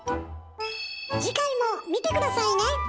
次回も見て下さいね！